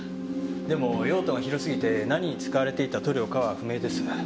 でも用途が広すぎて何に使われていた塗料かは不明です。